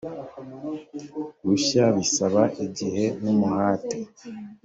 rushya bisaba igihe n umuhate